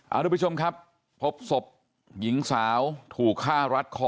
ทุกผู้ชมครับพบศพหญิงสาวถูกฆ่ารัดคอ